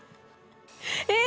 え！